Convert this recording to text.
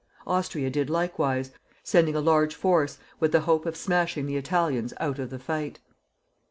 Austria did likewise, sending a large force with the hope of smashing the Italians out of the fight.